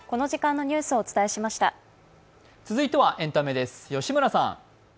続いてはエンタメです吉村さん。